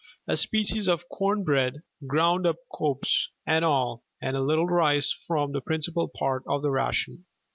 A species of corn bread, ground up cobs and all, and a little rice form the principal part of the ration.